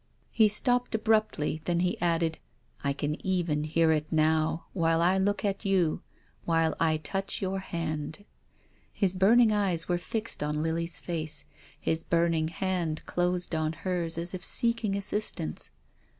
He stopped abruptly, then he added, " I can even hear it now, while I look at you, while I touch your hand." His burning eyes were fixed on Lily's face. His burning hand closed on hers as if seeking as sistance.